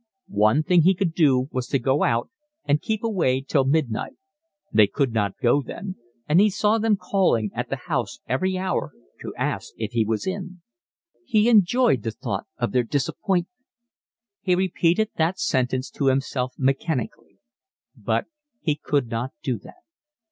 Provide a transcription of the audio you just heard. One thing he could do was to go out and keep away till midnight; they could not go then; and he saw them calling at the house every hour to ask if he was in. He enjoyed the thought of their disappointment. He repeated that sentence to himself mechanically. But he could not do that.